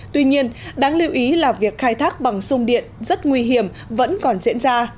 tuy nhiên đáng lưu ý là việc khai thác bằng sung điện rất nguy hiểm vẫn còn diễn ra